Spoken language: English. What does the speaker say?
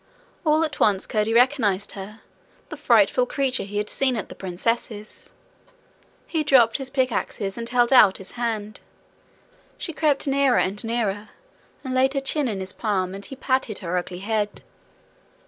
All at once Curdie recognized her the frightful creature he had seen at the princess's. He dropped his pickaxes and held out his hand. She crept nearer and nearer, and laid her chin in his palm, and he patted her ugly head.